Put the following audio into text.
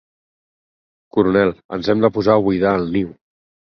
Coronel, ens hem de posar a buidar el niu.